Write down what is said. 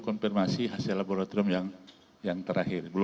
konfirmasi hasil laboratorium yang terakhir